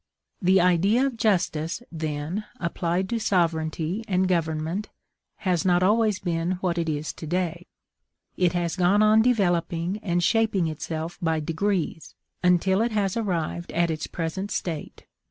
The idea of justice, then, applied to sovereignty and government, has not always been what it is to day; it has gone on developing and shaping itself by degrees, until it has arrived at its present state.